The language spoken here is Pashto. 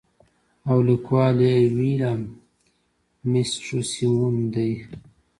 او ليکوال ئې William Mastrosimoneدے.